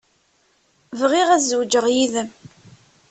Bɣiɣ ad zewǧeɣ yid-m.